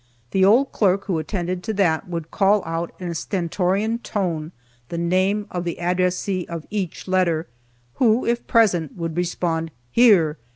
The old clerk who attended to that would call out in a stentorian tone the name of the addressee of each letter, who, if present, would respond "Here!"